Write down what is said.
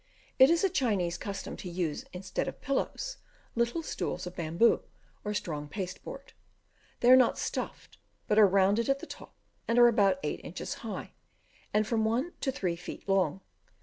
It is a Chinese custom to use, instead of pillows, little stools of bamboo or strong pasteboard. They are not stuffed, but are rounded at the top, and are about eight inches high, and from one to three feet long.